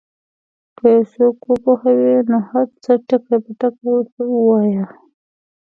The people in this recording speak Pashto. که یو څوک وپوهوې نو هر څه ټکي په ټکي ورته ووایه.